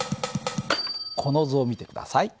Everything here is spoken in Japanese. この図を見て下さい。